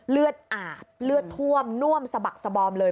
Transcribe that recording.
เลือดอาบเลือดท่วมน่วมสะบักสบอมเลย